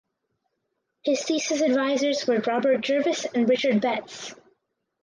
His thesis advisors were Robert Jervis and Richard Betts.